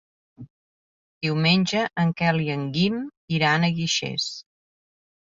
Diumenge en Quel i en Guim iran a Guixers.